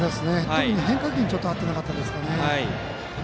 特に変化球に合っていなかったですね。